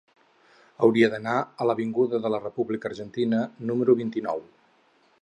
Hauria d'anar a l'avinguda de la República Argentina número vint-i-nou.